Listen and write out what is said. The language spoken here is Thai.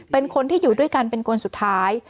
เป็นคนที่อยู่ด้วยกันเป็นคนสุดท้าย